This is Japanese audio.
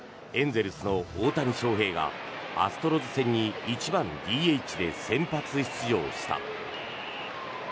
エンゼルスの大谷翔平がアストロズ戦に１番ＤＨで先発出場した。